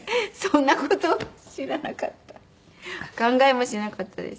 そんな事知らなかった。